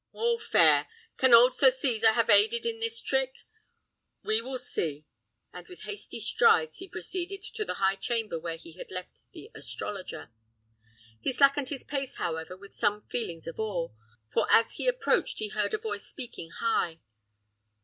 All fair! Can old Sir Cesar have aided in this trick: we will see." And with hasty strides he proceeded to the high chamber where he had left the astrologer. He slackened his pace, however, with some feelings of awe, for as he approached he heard a voice speaking high.